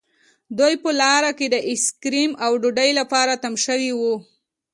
دوی په لاره کې د آیس کریم او ډوډۍ لپاره تم شوي وو